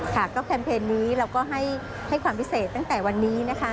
ค่ะก็แคมเปญนี้เราก็ให้ความพิเศษตั้งแต่วันนี้นะคะ